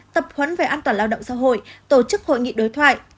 tập huấn về an toàn lao động xã hội tổ chức hội nghị đối thoại